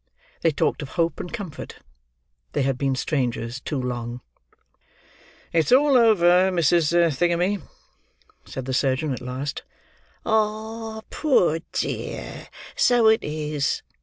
They talked of hope and comfort. They had been strangers too long. "It's all over, Mrs. Thingummy!" said the surgeon at last. "Ah, poor dear, so it is!"